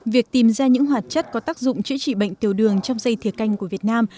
việc tìm ra những hoạt chất có tác dụng chữa trị bệnh tiểu đường trong dây thiều canh của việt nam